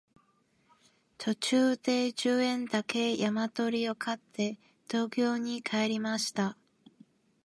途中で十円だけ山鳥を買って東京に帰りました